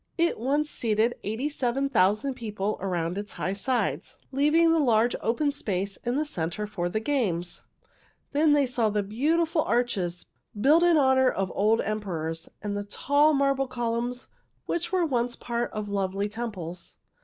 It once seated eighty seven thousand people around its high sides, leaving a large open space in the center for the games. Then they saw beautiful great arches, built in honor of old emperors, and tall marble columns which were once a part of lovely temples.